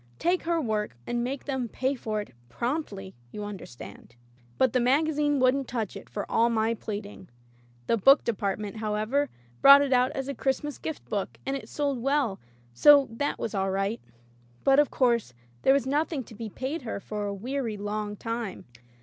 Take her work, and make them pay for it promptly — ^you understand." But the magazine wouldn't touch it for all my pleading. The book department, how ever, brought it out as a Christmas gift book, and it sold well, so that was all right. But, of course, there was nothing to be paid her for a weary long time.